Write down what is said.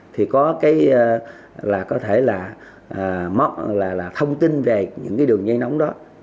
thì có cái là có thể là thông tin về những cái đường dây nóng đó